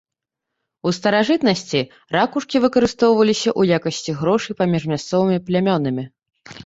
У старажытнасці ракушкі выкарыстоўваліся ў якасці грошай паміж мясцовымі плямёнамі.